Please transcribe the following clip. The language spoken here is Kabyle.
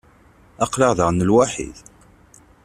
Aql-aɣ daɣen lwaḥi.